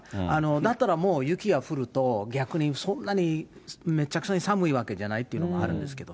だったらもう、雪が降ると、逆にそんなにめちゃくちゃに寒いわけじゃないっていうのもあるんですけど。